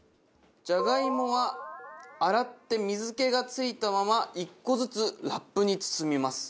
じゃがいもは洗って水気が付いたまま１個ずつラップに包みます。